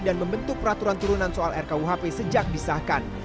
dan membentuk peraturan turunan soal rkuhp sejak disahkan